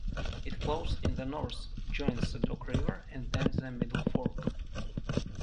It flows in the north, joins the Dog river and then the Middle Fork.